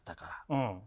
うん。